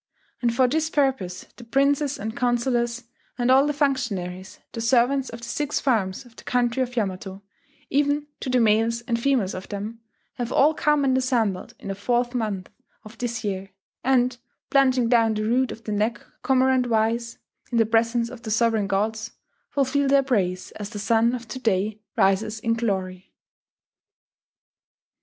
And for this purpose the princes and councillors and all the functionaries, the servants of the six farms of the country of Yamato even to the males and females of them have all come and assembled in the fourth month of this year, and, plunging down the root of the neck cormorant wise in the presence of the sovran gods, fulfil their praise as the Sun of to day rises in glory."...